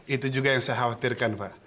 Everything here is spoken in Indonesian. itu juga yang saya khawatirkan pak